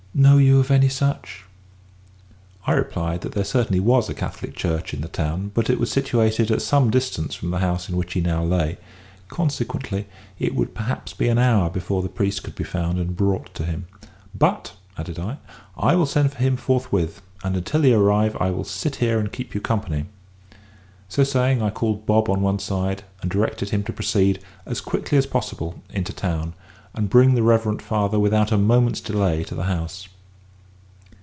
Know you of any such?" I replied that there certainly was a Catholic church in the town, but it was situated at some distance from the house in which he now lay; consequently it would perhaps be an hour before the priest could be found and brought to him; "but," added I, "I will send for him forthwith, and until he arrive I will sit here and keep you company." So saying, I called Bob on one side, and directed him to proceed, as quickly as possible, into town, and bring the Reverend Father without a moment's delay to the house.